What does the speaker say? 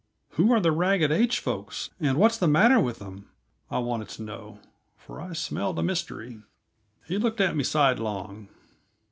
"Who are the Ragged H folks, and what's the matter with them?" I wanted to know for I smelled a mystery. He looked at me sidelong.